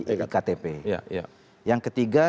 iktp yang ketiga